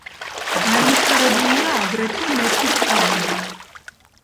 განვითარებულია აგრეთვე მეფუტკრეობა.